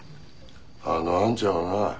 あのアンちゃんはな